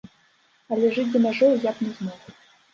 Але жыць за мяжою я б не змог.